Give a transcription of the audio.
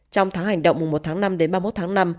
trong tháng hành động mùa một tháng năm đến ba mươi một tháng năm